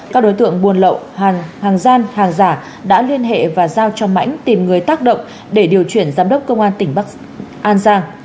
các đối tượng buôn lậu hàng gian hàng giả đã liên hệ và giao cho mãnh tìm người tác động để điều chuyển giám đốc công an tỉnh bắc an giang